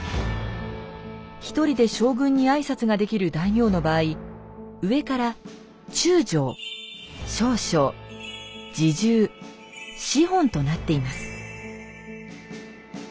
一人で将軍に挨拶ができる大名の場合上からとなっています。